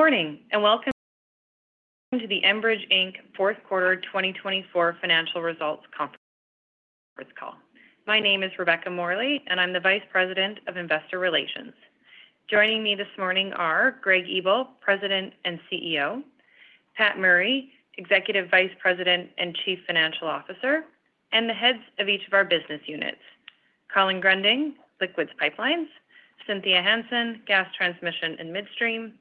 Good morning and welcome to the Enbridge Inc. Fourth Quarter 2024 financial results conference call. My name is Rebecca Morley, and I'm the Vice President of Investor Relations. Joining me this morning are Greg Ebel, President and CEO, Pat Murray, Executive Vice President and Chief Financial Officer, and the heads of each of our business units: Colin Gruending, Liquids Pipelines, Cynthia Hansen, Gas Transmission and Midstream,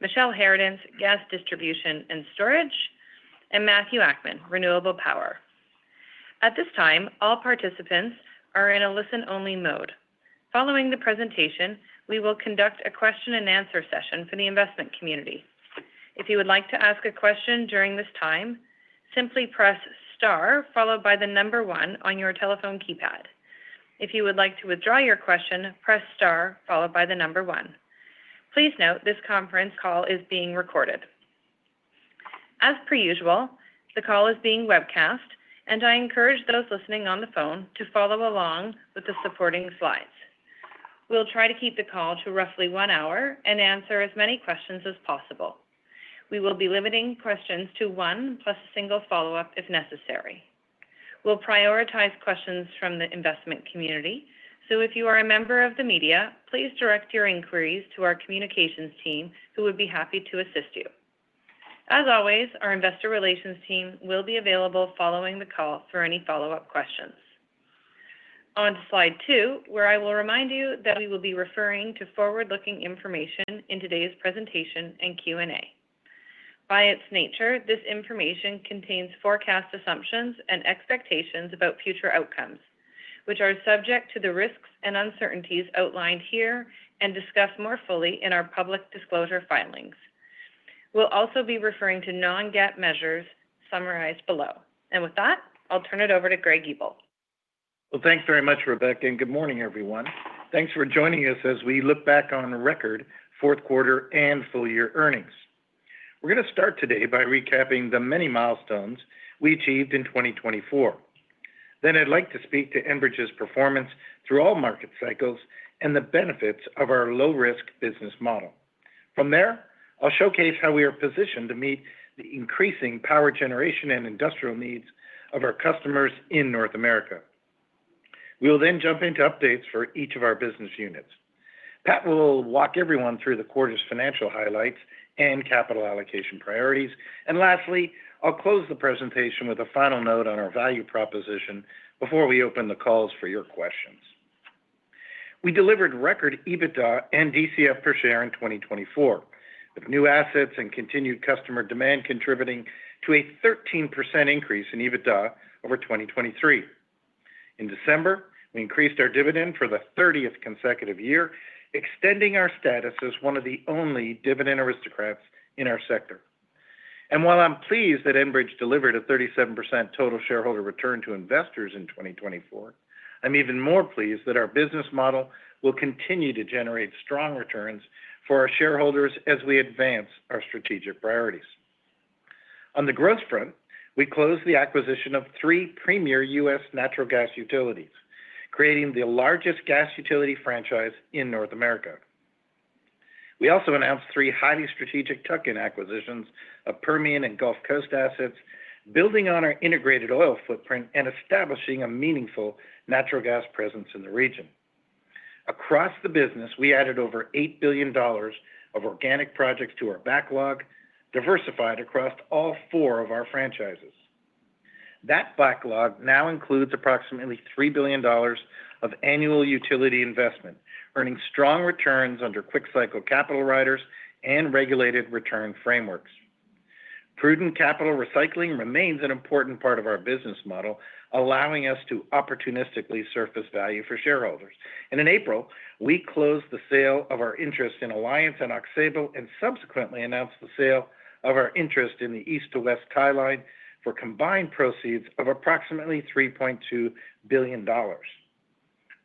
Michele Harradence, Gas Distribution and Storage, and Matthew Akman, Renewable Power. At this time, all participants are in a listen-only mode. Following the presentation, we will conduct a question-and-answer session for the investment community. If you would like to ask a question during this time, simply press star followed by the number one on your telephone keypad. If you would like to withdraw your question, press star followed by the number one. Please note this conference call is being recorded. As per usual, the call is being webcast, and I encourage those listening on the phone to follow along with the supporting slides. We'll try to keep the call to roughly one hour and answer as many questions as possible. We will be limiting questions to one plus a single follow-up if necessary. We'll prioritize questions from the investment community, so if you are a member of the media, please direct your inquiries to our communications team, who would be happy to assist you. As always, our investor relations team will be available following the call for any follow-up questions. On to slide two, where I will remind you that we will be referring to forward-looking information in today's presentation and Q&A. By its nature, this information contains forecast assumptions and expectations about future outcomes, which are subject to the risks and uncertainties outlined here and discussed more fully in our public disclosure filings. We'll also be referring to non-GAAP measures summarized below. And with that, I'll turn it over to Greg Ebel. Thanks very much, Rebecca, and good morning, everyone. Thanks for joining us as we look back on record fourth quarter and full year earnings. We're going to start today by recapping the many milestones we achieved in 2024. Then I'd like to speak to Enbridge's performance through all market cycles and the benefits of our low-risk business model. From there, I'll showcase how we are positioned to meet the increasing power generation and industrial needs of our customers in North America. We'll then jump into updates for each of our business units. Pat will walk everyone through the quarter's financial highlights and capital allocation priorities. And lastly, I'll close the presentation with a final note on our value proposition before we open the calls for your questions. We delivered record EBITDA and DCF per share in 2024, with new assets and continued customer demand contributing to a 13% increase in EBITDA over 2023. In December, we increased our dividend for the 30th consecutive year, extending our status as one of the only Dividend Aristocrats in our sector. And while I'm pleased that Enbridge delivered a 37% total shareholder return to investors in 2024, I'm even more pleased that our business model will continue to generate strong returns for our shareholders as we advance our strategic priorities. On the growth front, we closed the acquisition of three premier U.S. natural gas utilities, creating the largest gas utility franchise in North America. We also announced three highly strategic tuck-in acquisitions of Permian and Gulf Coast assets, building on our integrated oil footprint and establishing a meaningful natural gas presence in the region. Across the business, we added over 8 billion dollars of organic projects to our backlog, diversified across all four of our franchises. That backlog now includes approximately 3 billion dollars of annual utility investment, earning strong returns under quick-cycle capital riders and regulated return frameworks. Prudent capital recycling remains an important part of our business model, allowing us to opportunistically surface value for shareholders. And in April, we closed the sale of our interest in Alliance and Aux Sable and subsequently announced the sale of our interest in the East-West Tie Line for combined proceeds of approximately 3.2 billion dollars.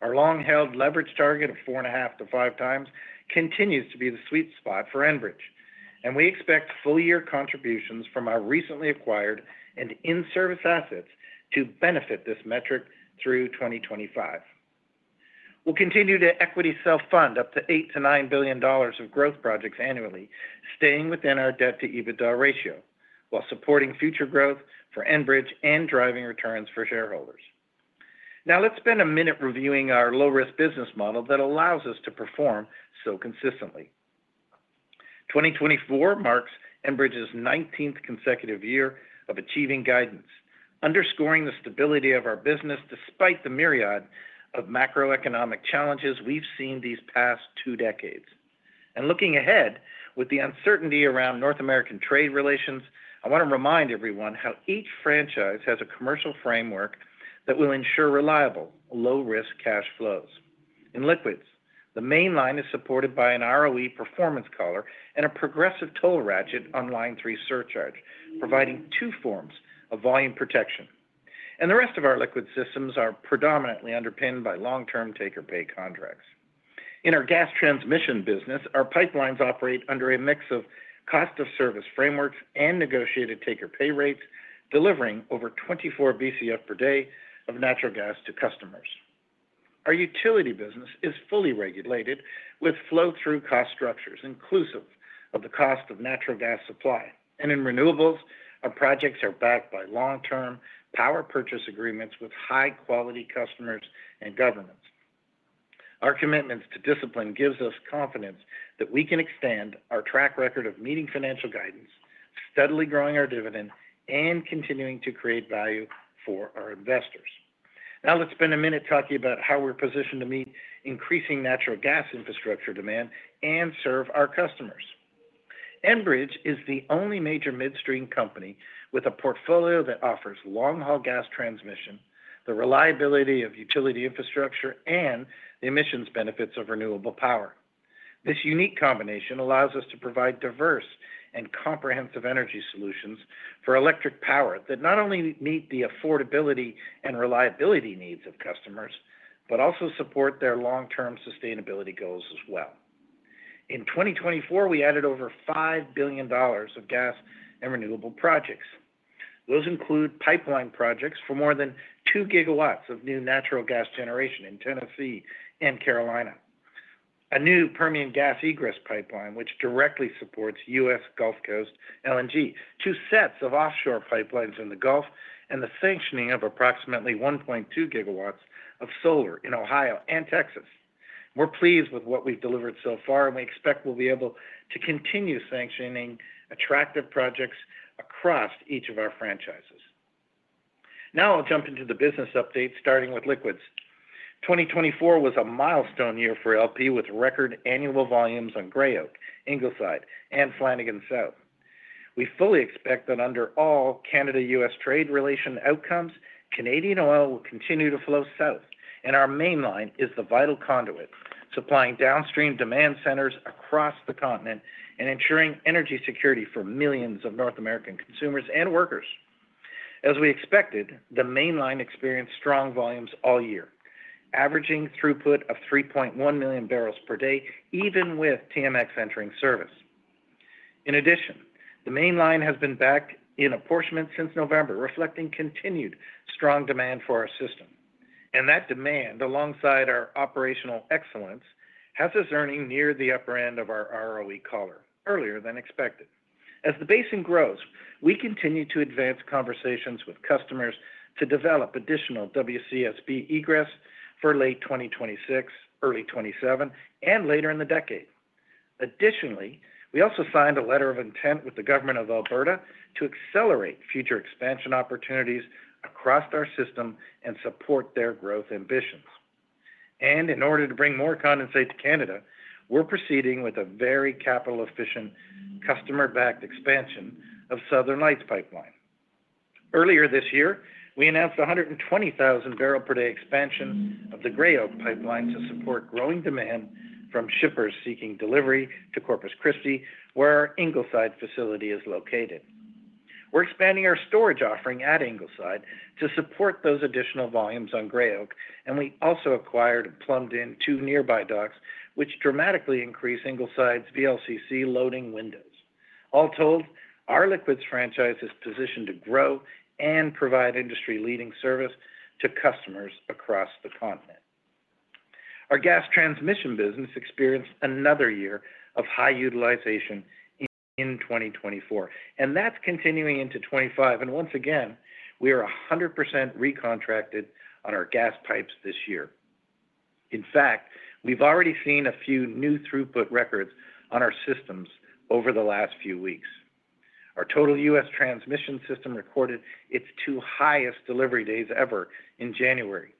Our long-held leverage target of four and a half to five times continues to be the sweet spot for Enbridge, and we expect full year contributions from our recently acquired and in-service assets to benefit this metric through 2025. We'll continue to equity self-fund up to 8 billion-9 billion dollars of growth projects annually, staying within our debt-to-EBITDA ratio while supporting future growth for Enbridge and driving returns for shareholders. Now, let's spend a minute reviewing our low-risk business model that allows us to perform so consistently. 2024 marks Enbridge's 19th consecutive year of achieving guidance, underscoring the stability of our business despite the myriad of macroeconomic challenges we've seen these past two decades. And looking ahead with the uncertainty around North American trade relations, I want to remind everyone how each franchise has a commercial framework that will ensure reliable, low-risk cash flows. In liquids, the Mainline is supported by an ROE performance collar and a progressive toll ratchet on Line 3 Surcharge, providing two forms of volume protection. And the rest of our liquid systems are predominantly underpinned by long-term take-or-pay contracts. In our gas transmission business, our pipelines operate under a mix of cost-of-service frameworks and negotiated take-or-pay rates, delivering over 24 Bcf per day of natural gas to customers. Our utility business is fully regulated with flow-through cost structures inclusive of the cost of natural gas supply. In renewables, our projects are backed by long-term power purchase agreements with high-quality customers and governments. Our commitment to discipline gives us confidence that we can extend our track record of meeting financial guidance, steadily growing our dividend, and continuing to create value for our investors. Now, let's spend a minute talking about how we're positioned to meet increasing natural gas infrastructure demand and serve our customers. Enbridge is the only major midstream company with a portfolio that offers long-haul gas transmission, the reliability of utility infrastructure, and the emissions benefits of renewable power. This unique combination allows us to provide diverse and comprehensive energy solutions for electric power that not only meet the affordability and reliability needs of customers, but also support their long-term sustainability goals as well. In 2024, we added over 5 billion dollars of gas and renewable projects. Those include pipeline projects for more than 2 GW of new natural gas generation in Tennessee and Carolina, a new Permian Gas egress pipeline which directly supports U.S. Gulf Coast LNG, two sets of offshore pipelines in the Gulf, and the sanctioning of approximately 1.2 GW of solar in Ohio and Texas. We're pleased with what we've delivered so far, and we expect we'll be able to continue sanctioning attractive projects across each of our franchises. Now, I'll jump into the business update, starting with liquids. 2024 was a milestone year for LP with record annual volumes on Gray Oak, Ingleside, and Flanagan South. We fully expect that under all Canada-U.S. trade relation outcomes, Canadian oil will continue to flow south, and our Mainline is the vital conduit supplying downstream demand centers across the continent and ensuring energy security for millions of North American consumers and workers. As we expected, the Mainline experienced strong volumes all year, averaging throughput of 3.1 million bbl per day, even with TMX entering service. In addition, the Mainline has been backed in apportionment since November, reflecting continued strong demand for our system, and that demand, alongside our operational excellence, has us earning near the upper end of our ROE collar, earlier than expected. As the basin grows, we continue to advance conversations with customers to develop additional WCSB egress for late 2026, early 2027, and later in the decade. Additionally, we also signed a letter of intent with the government of Alberta to accelerate future expansion opportunities across our system and support their growth ambitions, and in order to bring more condensate to Canada, we're proceeding with a very capital-efficient, customer-backed expansion of Southern Lights Pipeline. Earlier this year, we announced a 120,000 bbl per day expansion of the Gray Oak Pipeline to support growing demand from shippers seeking delivery to Corpus Christi, where our Ingleside facility is located. We're expanding our storage offering at Ingleside to support those additional volumes on Gray Oak, and we also acquired and plumbed in two nearby docks, which dramatically increase Ingleside's VLCC loading windows. All told, our liquids franchise is positioned to grow and provide industry-leading service to customers across the continent. Our gas transmission business experienced another year of high utilization in 2024, and that's continuing into 2025. And once again, we are 100% recontracted on our gas pipes this year. In fact, we've already seen a few new throughput records on our systems over the last few weeks. Our total U.S. transmission system recorded its two highest delivery days ever in January,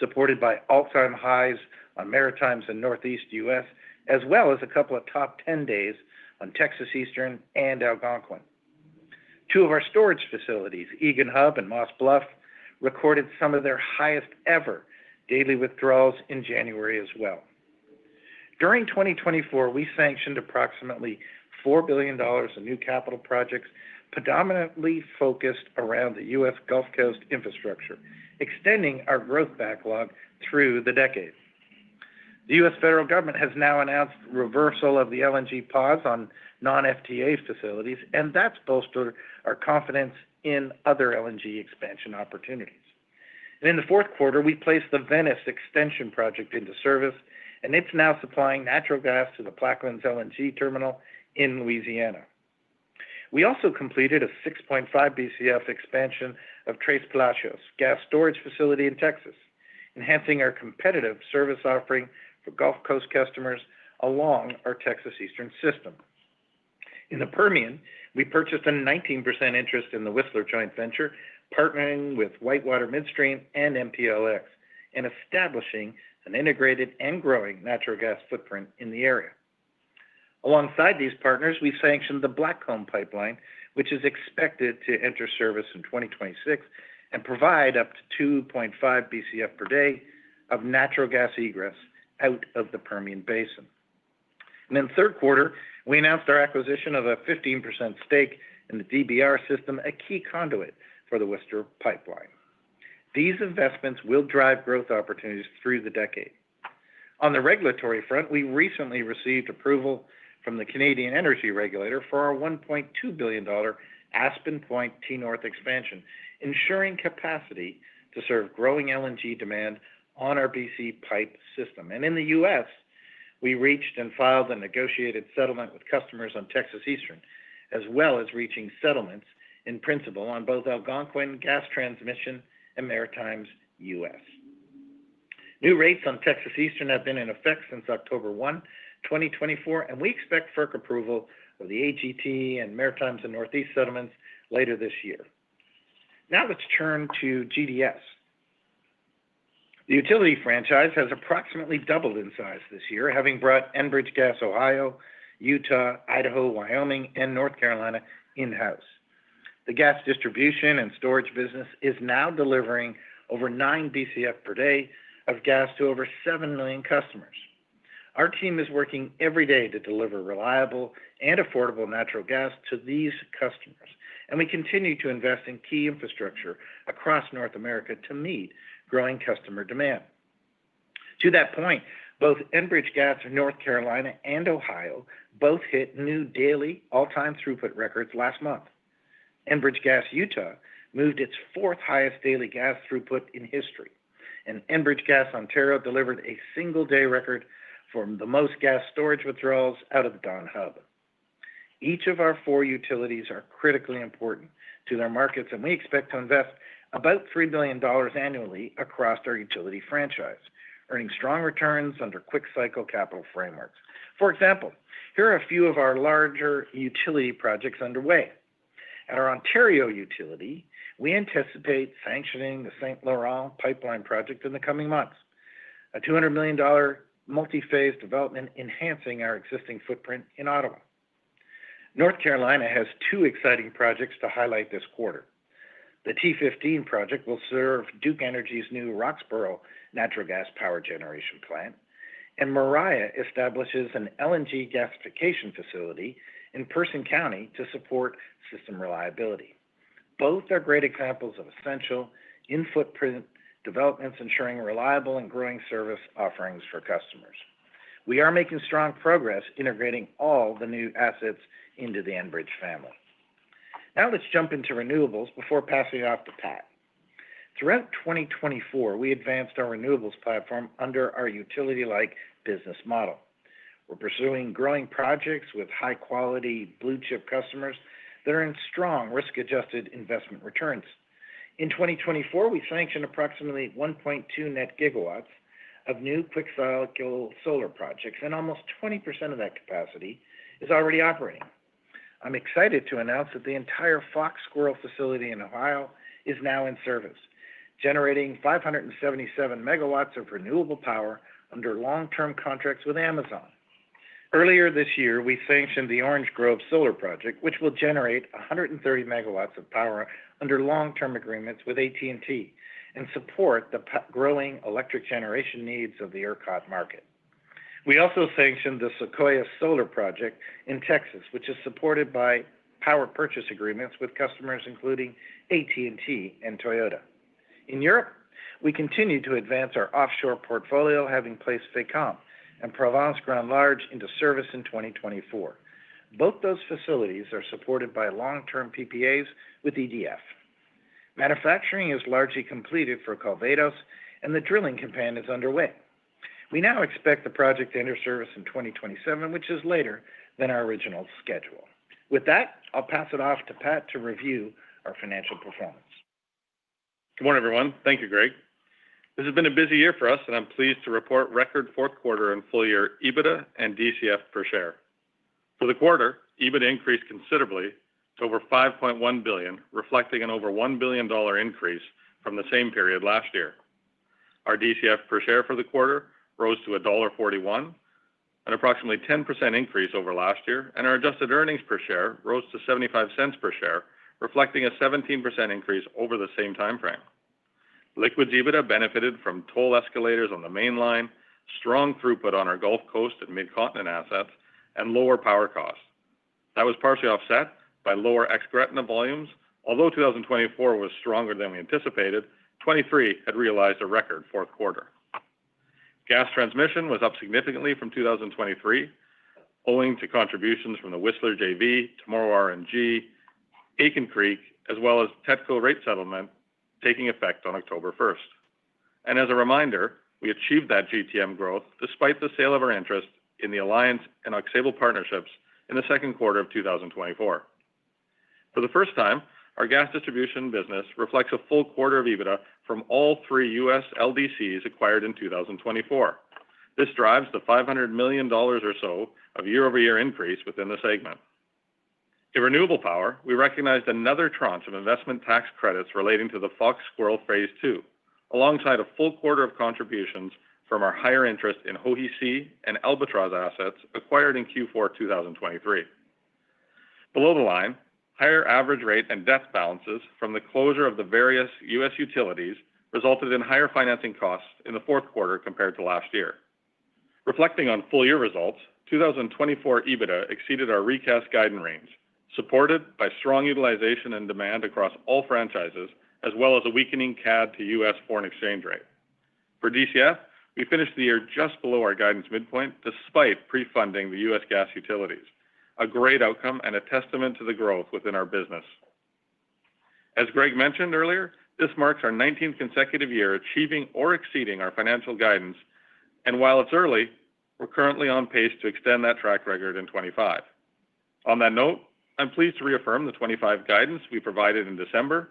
supported by all-time highs on Maritimes in Northeast U.S., as well as a couple of top 10 days on Texas Eastern and Algonquin. Two of our storage facilities, Egan Hub and Moss Bluff, recorded some of their highest-ever daily withdrawals in January as well. During 2024, we sanctioned approximately 4 billion dollars in new capital projects, predominantly focused around the U.S. Gulf Coast infrastructure, extending our growth backlog through the decade. The U.S. federal government has now announced reversal of the LNG pause on non-FTA facilities, and that's bolstered our confidence in other LNG expansion opportunities. And in the fourth quarter, we placed the Venice Extension Project into service, and it's now supplying natural gas to the Plaquemines LNG terminal in Louisiana. We also completed a 6.5 Bcf expansion of Tres Palacios Gas Storage Facility in Texas, enhancing our competitive service offering for Gulf Coast customers along our Texas Eastern system. In the Permian, we purchased a 19% interest in the Whistler Joint Venture, partnering with WhiteWater Midstream and MPLX, and establishing an integrated and growing natural gas footprint in the area. Alongside these partners, we sanctioned the Blackcomb Pipeline, which is expected to enter service in 2026 and provide up to 2.5 Bcf per day of natural gas egress out of the Permian Basin. And in third quarter, we announced our acquisition of a 15% stake in the DBR system, a key conduit for the Whistler Pipeline. These investments will drive growth opportunities through the decade. On the regulatory front, we recently received approval from the Canadian energy regulator for our 1.2 billion dollar Aspen Point T-North expansion, ensuring capacity to serve growing LNG demand on our BC pipe system. And in the U.S., we reached and filed a negotiated settlement with customers on Texas Eastern, as well as reaching settlements in principle on both Algonquin Gas Transmission and Maritimes U.S. New rates on Texas Eastern have been in effect since October 1, 2024, and we expect FERC approval of the AGT and Maritimes and Northeast settlements later this year. Now let's turn to GDS. The utility franchise has approximately doubled in size this year, having brought Enbridge Gas Ohio, Utah, Idaho, Wyoming, and North Carolina in-house. The gas distribution and storage business is now delivering over nine Bcf per day of gas to over seven million customers. Our team is working every day to deliver reliable and affordable natural gas to these customers, and we continue to invest in key infrastructure across North America to meet growing customer demand. To that point, both Enbridge Gas North Carolina and Ohio both hit new daily all-time throughput records last month. Enbridge Gas Utah moved its fourth highest daily gas throughput in history, and Enbridge Gas Ontario delivered a single-day record for the most gas storage withdrawals out of Dawn Hub. Each of our four utilities are critically important to their markets, and we expect to invest about 3 billion dollars annually across our utility franchise, earning strong returns under quick-cycle capital frameworks. For example, here are a few of our larger utility projects underway. At our Ontario utility, we anticipate sanctioning the St. Laurent Pipeline project in the coming months, a 200 million dollar multi-phase development enhancing our existing footprint in Ottawa. North Carolina has two exciting projects to highlight this quarter. The T15 project will serve Duke Energy's new Roxboro natural gas power generation plant, and Moriah establishes an LNG gasification facility in Person County to support system reliability. Both are great examples of essential in-footprint developments, ensuring reliable and growing service offerings for customers. We are making strong progress integrating all the new assets into the Enbridge family. Now let's jump into renewables before passing it off to Pat. Throughout 2024, we advanced our renewables platform under our utility-like business model. We're pursuing growing projects with high-quality blue-chip customers that are in strong risk-adjusted investment returns. In 2024, we sanctioned approximately 1.2 net GW of new quick-cycle solar projects, and almost 20% of that capacity is already operating. I'm excited to announce that the entire Fox Squirrel facility in Ohio is now in service, generating 577 MW of renewable power under long-term contracts with Amazon. Earlier this year, we sanctioned the Orange Grove Solar Project, which will generate 130 MW of power under long-term agreements with AT&T and support the growing electric generation needs of the ERCOT market. We also sanctioned the Sequoia Solar Project in Texas, which is supported by power purchase agreements with customers including AT&T and Toyota. In Europe, we continue to advance our offshore portfolio, having placed Fécamp and Provence Grand Large into service in 2024. Both those facilities are supported by long-term PPAs with EDF. Manufacturing is largely completed for Calvados, and the drilling campaign is underway. We now expect the project to enter service in 2027, which is later than our original schedule. With that, I'll pass it off to Pat to review our financial performance. Good morning, everyone. Thank you, Greg. This has been a busy year for us, and I'm pleased to report record fourth quarter adjusted EBITDA and DCF per share. For the quarter, EBITDA increased considerably to over 5.1 billion, reflecting an over 1 billion dollar increase from the same period last year. Our DCF per share for the quarter rose to dollar 1.41, an approximately 10% increase over last year, and our adjusted earnings per share rose to 0.75 per share, reflecting a 17% increase over the same timeframe. Liquids EBITDA benefited from toll escalators on the Mainline, strong throughput on our Gulf Coast and mid-continent assets, and lower power costs. That was partially offset by lower Ex-Gretna volumes. Although 2024 was stronger than we anticipated, 2023 had realized a record fourth quarter. Gas transmission was up significantly from 2023, owing to contributions from the Whistler JV, Tomorrow RNG, Aitken Creek, as well as Tetco rate settlement taking effect on October 1st. We achieved that GTM growth despite the sale of our interest in the Alliance and Aux Sable Partnerships in the second quarter of 2024. For the first time, our gas distribution business reflects a full quarter of EBITDA from all three U.S. LDCs acquired in 2024. This drives the 500 million dollars or so of year-over-year increase within the segment. In renewable power, we recognized another tranche of investment tax credits relating to the Fox Squirrel Phase II, alongside a full quarter of contributions from our higher interest in Hohe See and Albatros assets acquired in Q4 2023. Below the line, higher average rate and debt balances from the closure of the various U.S. utilities resulted in higher financing costs in the fourth quarter compared to last year. Reflecting on full-year results, 2024 EBITDA exceeded our recast guidance range, supported by strong utilization and demand across all franchises, as well as a weakening CAD to U.S. foreign exchange rate. For DCF, we finished the year just below our guidance midpoint, despite prefunding the U.S. Gas utilities. A great outcome and a testament to the growth within our business. As Greg mentioned earlier, this marks our 19th consecutive year achieving or exceeding our financial guidance, and while it's early, we're currently on pace to extend that track record in 2025. On that note, I'm pleased to reaffirm the 2025 guidance we provided in December.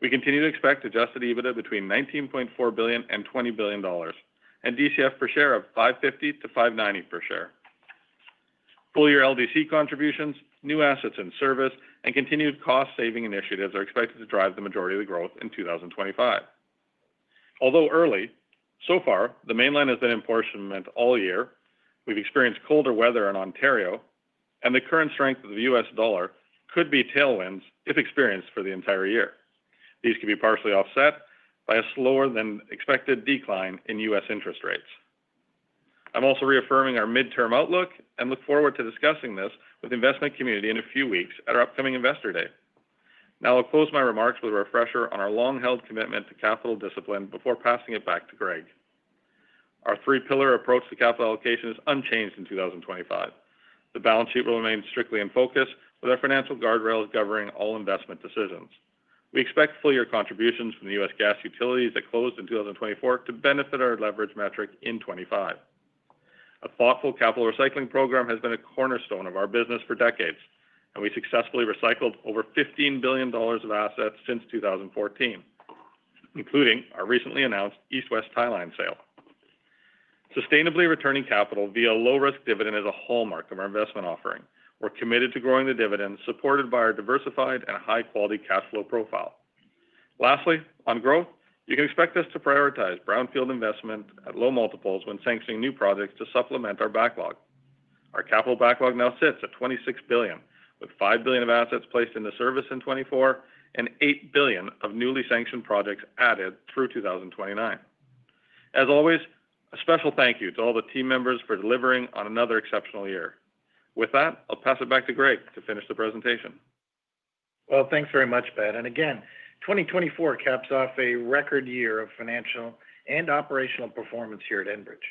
We continue to expect adjusted EBITDA between 19.4 billion and 20 billion dollars, and DCF per share of 550-590 per share. Full-year LDC contributions, new assets in service, and continued cost-saving initiatives are expected to drive the majority of the growth in 2025. Although early, so far, the Mainline has been in apportionment all year. We've experienced colder weather in Ontario, and the current strength of the U.S. dollar could be tailwinds if experienced for the entire year. These could be partially offset by a slower-than-expected decline in U.S. interest rates. I'm also reaffirming our midterm outlook and look forward to discussing this with the investment community in a few weeks at our upcoming Investor Day. Now I'll close my remarks with a refresher on our long-held commitment to capital discipline before passing it back to Greg. Our three-pillar approach to capital allocation is unchanged in 2025. The balance sheet will remain strictly in focus, with our financial guardrails governing all investment decisions. We expect full-year contributions from the U.S. gas utilities that closed in 2024 to benefit our leverage metric in 2025. A thoughtful capital recycling program has been a cornerstone of our business for decades, and we successfully recycled over 15 billion dollars of assets since 2014, including our recently announced East-West Tie sale. Sustainably returning capital via low-risk dividend is a hallmark of our investment offering. We're committed to growing the dividend, supported by our diversified and high-quality cash flow profile. Lastly, on growth, you can expect us to prioritize brownfield investment at low multiples when sanctioning new projects to supplement our backlog. Our capital backlog now sits at 26 billion, with 5 billion of assets placed into service in 2024 and 8 billion of newly sanctioned projects added through 2029. As always, a special thank you to all the team members for delivering on another exceptional year. With that, I'll pass it back to Greg to finish the presentation. Well, thanks very much, Pat. And again, 2024 caps off a record year of financial and operational performance here at Enbridge.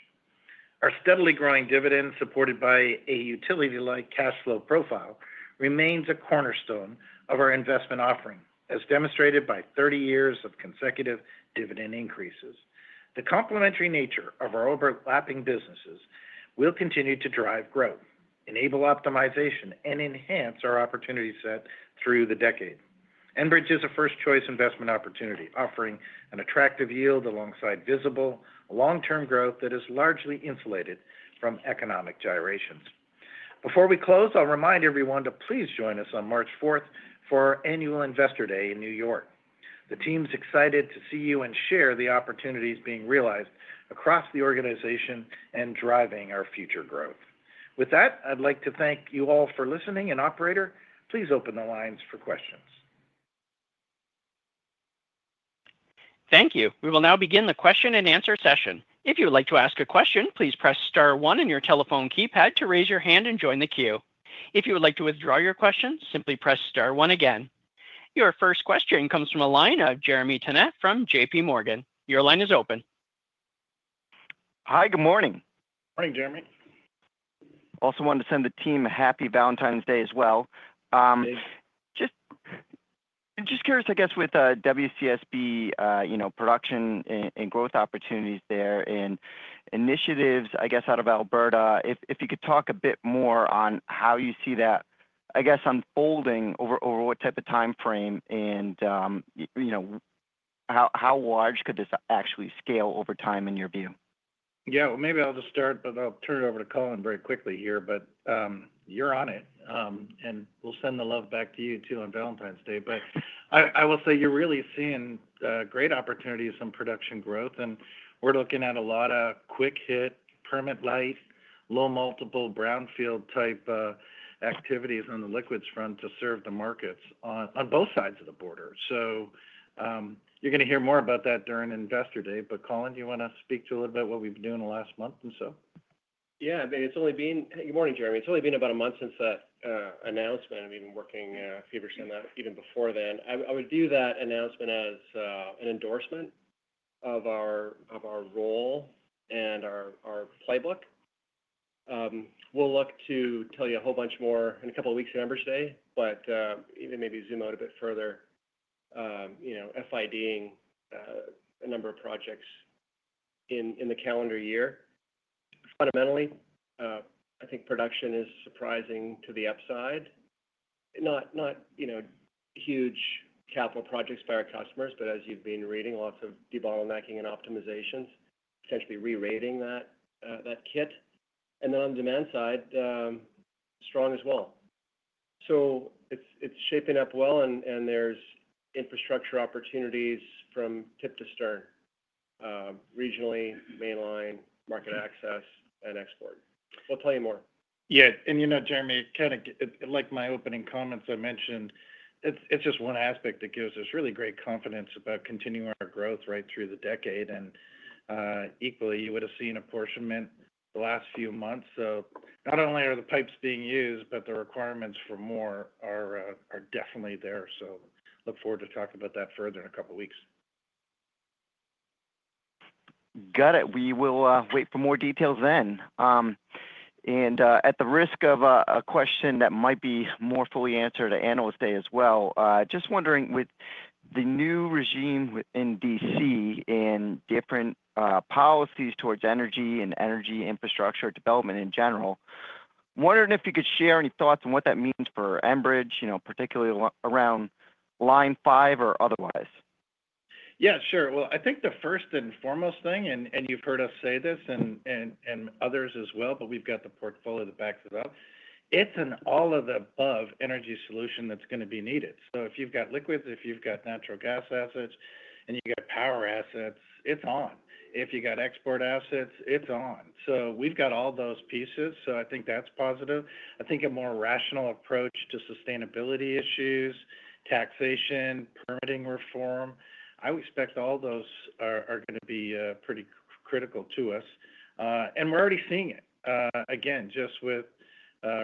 Our steadily growing dividend, supported by a utility-like cash flow profile, remains a cornerstone of our investment offering, as demonstrated by 30 years of consecutive dividend increases. The complementary nature of our overlapping businesses will continue to drive growth, enable optimization, and enhance our opportunity set through the decade. Enbridge is a first-choice investment opportunity, offering an attractive yield alongside visible long-term growth that is largely insulated from economic gyrations. Before we close, I'll remind everyone to please join us on March 4th for our annual Investor Day in New York. The team's excited to see you and share the opportunities being realized across the organization and driving our future growth. With that, I'd like to thank you all for listening, and Operator, please open the lines for questions. Thank you. We will now begin the question-and-answer session. If you would like to ask a question, please press star one in your telephone keypad to raise your hand and join the queue. If you would like to withdraw your question, simply press star one again. Your first question comes from Jeremy Tonet from JPMorgan. Your line is open. Hi, good morning. Morning, Jeremy. Also wanted to send the team a happy Valentine's Day as well. Just curious, I guess, with WCSB production and growth opportunities there and initiatives, I guess, out of Alberta, if you could talk a bit more on how you see that, I guess, unfolding over what type of timeframe and how large could this actually scale over time in your view? Yeah, well, maybe I'll just start, but I'll turn it over to Colin very quickly here, but you're on it, and we'll send the love back to you too on Valentine's Day. But I will say you're really seeing great opportunities in production growth, and we're looking at a lot of quick-hit, permit-light, low-multiple brownfield-type activities on the liquids front to serve the markets on both sides of the border. So you're going to hear more about that during Investor Day, but Colin, do you want to speak to a little bit about what we've been doing the last month or so? Yeah, I mean, it's only been. Good morning, Jeremy. It's only been about a month since that announcement. I mean, working a few years on that even before then. I would view that announcement as an endorsement of our role and our playbook. We'll look to tell you a whole bunch more in a couple of weeks at Enbridge Day, but even maybe zoom out a bit further, FIDing a number of projects in the calendar year. Fundamentally, I think production is surprising to the upside. Not huge capital projects by our customers, but as you've been reading, lots of debottlenecking and optimizations, potentially re-rating that kit. And then on the demand side, strong as well. So it's shaping up well, and there's infrastructure opportunities from tip to stern: regionally, mainline, market access, and export. We'll tell you more. Yeah. And you know, Jeremy, kind of like my opening comments I mentioned, it's just one aspect that gives us really great confidence about continuing our growth right through the decade. And equally, you would have seen apportionment the last few months. So not only are the pipes being used, but the requirements for more are definitely there. So look forward to talking about that further in a couple of weeks. Got it. We will wait for more details then. At the risk of a question that might be more fully answered at Analyst Day as well, just wondering, with the new regime in DC and different policies towards energy and energy infrastructure development in general, wondering if you could share any thoughts on what that means for Enbridge, particularly around Line 5 or otherwise. Yeah, sure. I think the first and foremost thing, and you've heard us say this and others as well, but we've got the portfolio that backs it up, it's an all-of-the-above energy solution that's going to be needed. So if you've got liquids, if you've got natural gas assets, and you've got power assets, it's on. If you've got export assets, it's on. So we've got all those pieces, so I think that's positive. I think a more rational approach to sustainability issues, taxation, permitting reform. I expect all those are going to be pretty critical to us, and we're already seeing it. Again, just with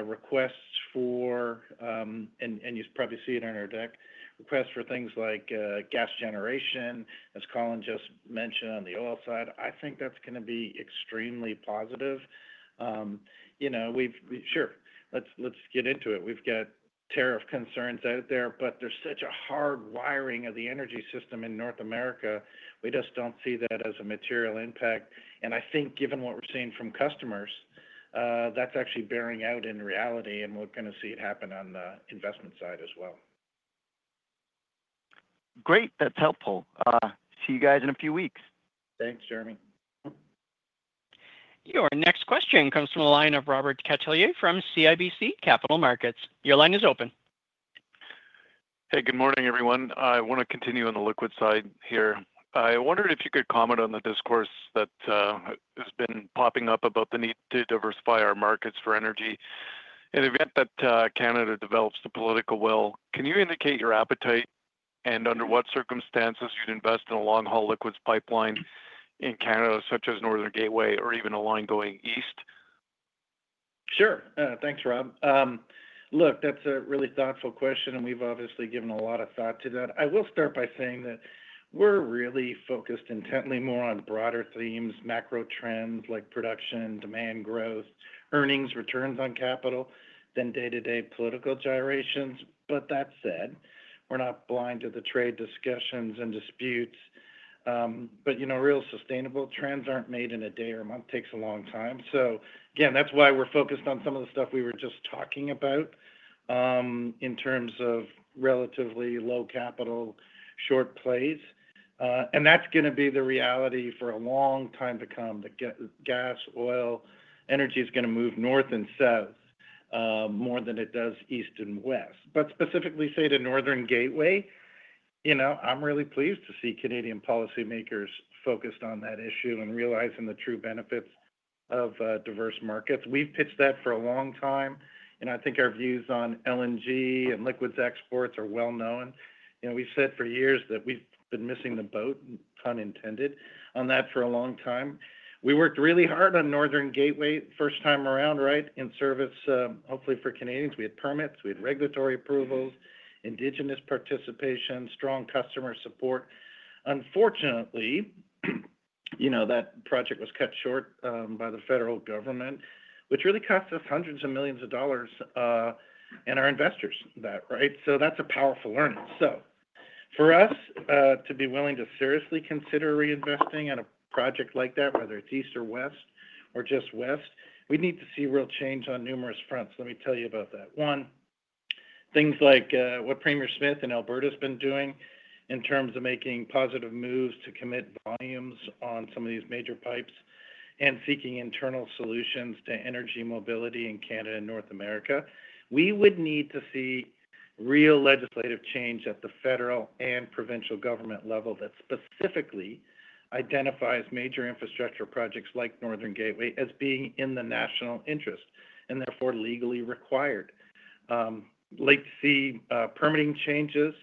requests for, and you probably see it on our deck, requests for things like gas generation, as Colin just mentioned, on the oil side. I think that's going to be extremely positive. Sure, let's get into it. We've got tariff concerns out there, but there's such a hard wiring of the energy system in North America. We just don't see that as a material impact, and I think given what we're seeing from customers, that's actually bearing out in reality, and we're going to see it happen on the investment side as well. Great. That's helpful. See you guys in a few weeks. Thanks, Jeremy. Your next question comes from the line of Robert Catellier from CIBC Capital Markets. Your line is open. Hey, good morning, everyone. I want to continue on the liquids side here. I wondered if you could comment on the discourse that has been popping up about the need to diversify our markets for energy in the event that Canada develops the political will. Can you indicate your appetite and under what circumstances you'd invest in a long-haul liquids pipeline in Canada, such as Northern Gateway or even a line going east? Sure. Thanks, Rob. Look, that's a really thoughtful question, and we've obviously given a lot of thought to that. I will start by saying that we're really focused intently more on broader themes, macro trends like production, demand growth, earnings, returns on capital than day-to-day political gyrations. But that said, we're not blind to the trade discussions and disputes. But real sustainable trends aren't made in a day or a month. It takes a long time. So again, that's why we're focused on some of the stuff we were just talking about in terms of relatively low-capital, short plays. And that's going to be the reality for a long time to come. The gas, oil, energy is going to move north and south more than it does east and west. But specifically, say, to Northern Gateway, I'm really pleased to see Canadian policymakers focused on that issue and realizing the true benefits of diverse markets. We've pitched that for a long time, and I think our views on LNG and liquids exports are well-known. We've said for years that we've been missing the boat, pun intended, on that for a long time. We worked really hard on Northern Gateway the first time around, right, in service, hopefully, for Canadians. We had permits, we had regulatory approvals, Indigenous participation, strong customer support. Unfortunately, that project was cut short by the federal government, which really cost us hundreds of millions of dollars and our investors that, right? So that's a powerful learning. So for us to be willing to seriously consider reinvesting in a project like that, whether it's east or west or just west, we need to see real change on numerous fronts. Let me tell you about that. One, things like what Premier Smith in Alberta has been doing in terms of making positive moves to commit volumes on some of these major pipes and seeking internal solutions to energy mobility in Canada and North America. We would need to see real legislative change at the federal and provincial government level that specifically identifies major infrastructure projects like Northern Gateway as being in the national interest and therefore legally required. Laxity permitting changes,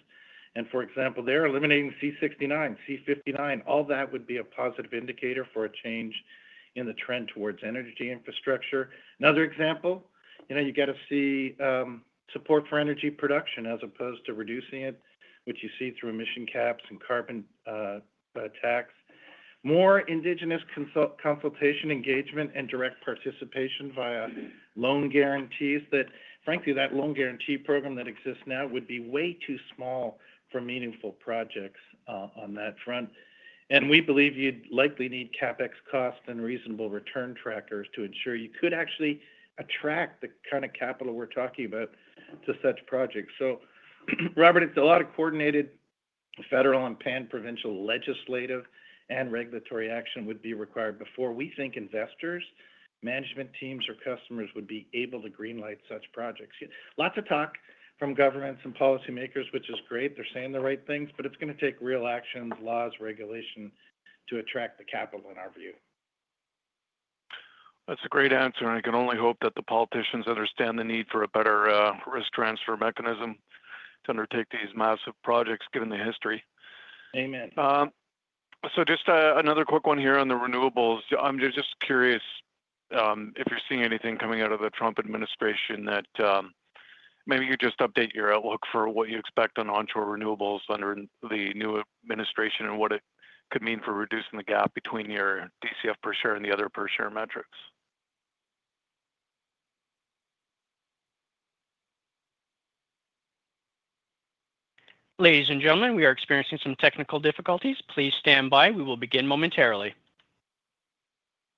and for example, they're eliminating C-69, C-59. All that would be a positive indicator for a change in the trend towards energy infrastructure. Another example, you got to see support for energy production as opposed to reducing it, which you see through emission caps and carbon tax. More Indigenous consultation, engagement, and direct participation via loan guarantees. Frankly, that loan guarantee program that exists now would be way too small for meaningful projects on that front, and we believe you'd likely need CapEx costs and reasonable return trackers to ensure you could actually attract the kind of capital we're talking about to such projects. So, Robert, it's a lot of coordinated federal and pan-provincial legislative and regulatory action would be required before we think investors, management teams, or customers would be able to greenlight such projects. Lots of talk from governments and policymakers, which is great. They're saying the right things, but it's going to take real actions, laws, regulation to attract the capital, in our view. That's a great answer, and I can only hope that the politicians understand the need for a better risk transfer mechanism to undertake these massive projects, given the history. Amen. So just another quick one here on the renewables. I'm just curious if you're seeing anything coming out of the Trump administration that maybe you just update your outlook for what you expect on onshore renewables under the new administration and what it could mean for reducing the gap between your DCF per share and the other per share metrics? Ladies and gentlemen, we are experiencing some technical difficulties. Please stand by. We will begin momentarily.